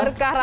berkat phr ya